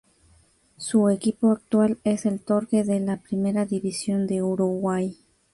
Su equipo actual es el Torque de la Primera División de Uruguay.